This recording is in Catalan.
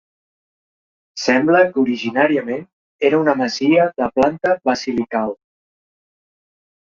Sembla que originàriament era una masia de planta basilical.